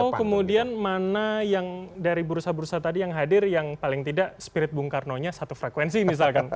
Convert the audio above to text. atau kemudian mana yang dari bursa bursa tadi yang hadir yang paling tidak spirit bung karnonya satu frekuensi misalkan